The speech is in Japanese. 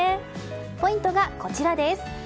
ポイントがこちらです。